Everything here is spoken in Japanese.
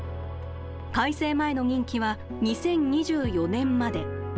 改正前の任期は２０２４年まで。